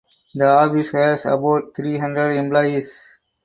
The office has about three hundred employees.